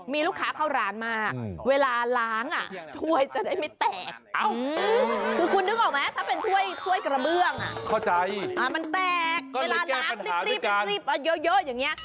มันแตกเวลาล้างรีบเยอะอย่างนี้